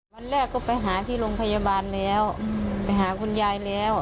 วันแรกก็ไปหาที่โรงพยาบาลแล้วไปหาคุณยายแล้ว